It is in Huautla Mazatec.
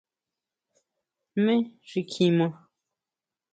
¿Jmé xi kjima?